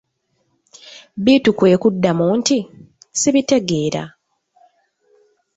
Bittu kwe kuddamu nti:"ssibitegeera"